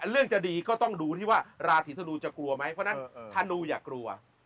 เรื่องจะดีก็ต้องดูที่ว่าราศีธนูจะกลัวไหมเพราะฉะนั้นธนูอย่ากลัว